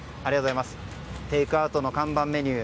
テイクアウトの看板メニュー